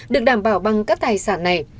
được đảm bảo bằng các tài sản này